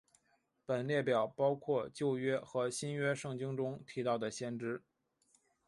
本列表包括旧约和新约圣经中提到的先知。